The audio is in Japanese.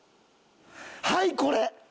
はいこれ！